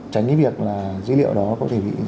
tránh cái việc là dữ liệu đó có thể bị